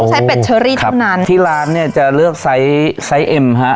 ใช้เป็ดเชอรี่เท่านั้นที่ร้านเนี้ยจะเลือกไซส์ไซส์เอ็มฮะ